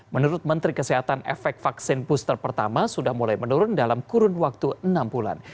menurut menteri kesehatan efek vaksin booster pertama sudah mulai menurun dalam kurun waktu enam bulan